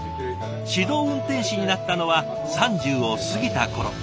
指導運転士になったのは３０を過ぎた頃。